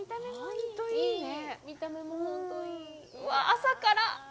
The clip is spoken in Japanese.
うわぁ、朝から。